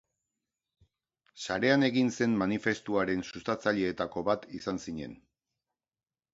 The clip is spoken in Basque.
Sarean egin zen manifestuaren sustatzaileetako bat izan zinen.